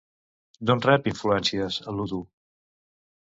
D'on rep influències l'Hoodoo?